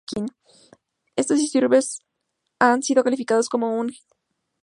Estos disturbios han sido calificados como un genocidio o crimen contra la humanidad.